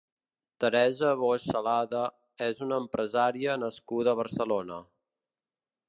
Teresa Boix Salada és una empresària nascuda a Barcelona.